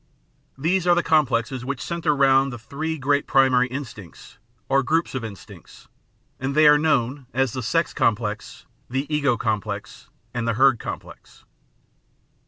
These are the complexes which centre round the three great primary instincts, or groups of in stincts, and they are known as the sex complex, the ego complex, and the herd complex.